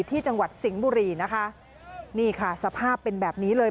จังหวัดสิงห์บุรีนะคะนี่ค่ะสภาพเป็นแบบนี้เลย